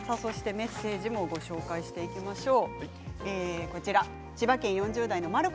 メッセージもご紹介していきましょう。